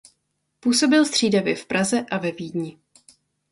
Působil střídavě v Praze a ve Vídni.